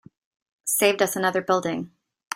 Saved us another building.